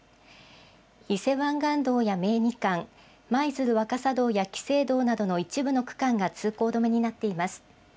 伊勢湾岸道や名二環、舞鶴若狭道や紀勢道などの一部の区間が通行止めになっています。